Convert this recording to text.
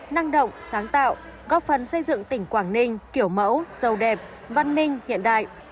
năng động sáng tạo góp phần xây dựng tỉnh quảng ninh kiểu mẫu giàu đẹp văn minh hiện đại